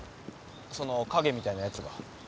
その影みたいなやつが。